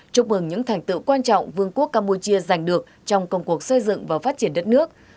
chúc mừng những thành tựu quan trọng vương quốc campuchia giành được trong công cuộc xây dựng và phát triển đất nước